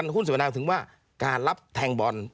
หุ้นสิวนาถึงว่าการรับแทงบอล